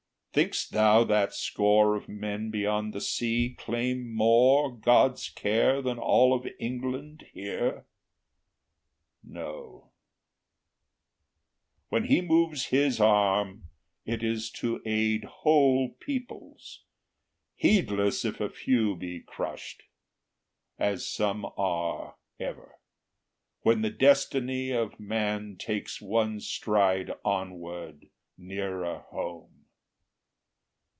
Think'st thou that score of men beyond the sea Claim more God's care than all of England here? No: when he moves His arm, it is to aid Whole peoples, heedless if a few be crushed, As some are ever, when the destiny Of man takes one stride onward nearer home.